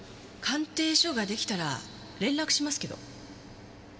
鑑定書が出来たら連絡しますけど。